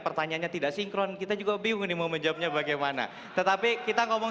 pertanyaannya tidak sinkron kita juga bingung nih mau menjawabnya bagaimana tetapi kita ngomong